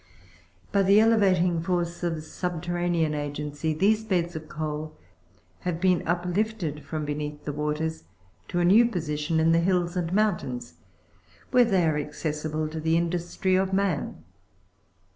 By the elevating force of subterranean agency, these beds of coal have been uplifted from beneath the waters, to a new position in the hills and mountains, where they are accessible to the industry of man.